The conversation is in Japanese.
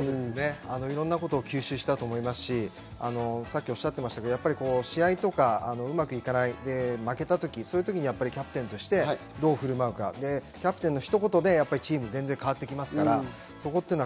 いろんな事を吸収したと思いますし、試合とか、うまくいかない負けたとき、そういう時にキャプテンとしてどう振る舞うか、キャプテンのひと言でチーム、全然変わってきますから。